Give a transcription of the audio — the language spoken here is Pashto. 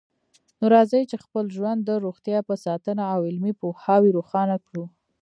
نو راځئ چې خپل ژوند د روغتیا په ساتنه او علمي پوهاوي روښانه کړو